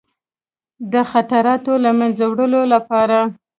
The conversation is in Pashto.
د خطراتو له منځه وړلو لپاره.